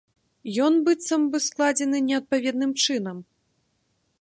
Ён быццам бы складзены неадпаведным чынам.